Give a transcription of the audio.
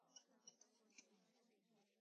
与中国上层人士关系密切。